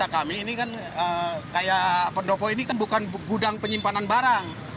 kami ini kan kayak pendopo ini kan bukan gudang penyimpanan barang